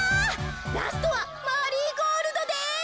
ラストはマリーゴールドです。